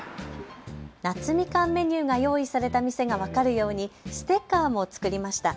夏みかんメニューが用意された店が分かるようにステッカーも作りました。